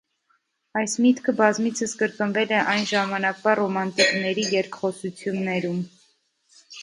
Այս միտքը բազմիցս կրկնվել է այն ժամանակվա ռոմանտիկների երկխոսություններում։